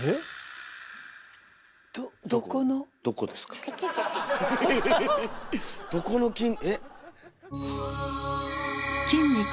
どこの筋え？